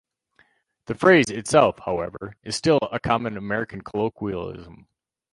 The phrase itself, however, is still a common American colloquialism.